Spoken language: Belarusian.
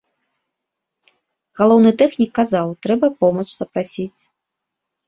Галоўны тэхнік казаў, трэба помач запрасіць.